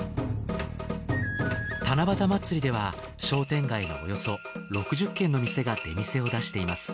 七夕まつりでは商店街のおよそ６０軒の店が出店を出しています。